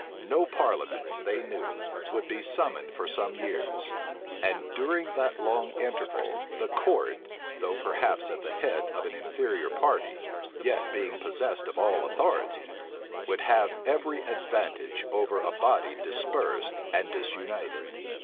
No parliament, they knew, would be summoned for some years; and during that long interval, the court, though perhaps at the head of an inferior party, yet being possessed of all authority, would have every advantage over a body dispersed and disunited.